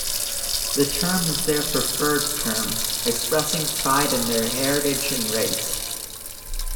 The term is their preferred term, expressing pride in their heritage and race.